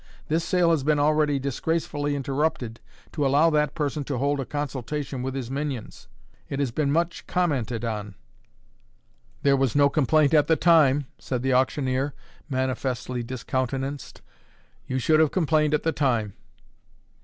This sale has been already disgracefully interrupted to allow that person to hold a consultation with his minions. It has been much commented on." "There was no complaint at the time," said the auctioneer, manifestly discountenanced. "You should have complained at the time."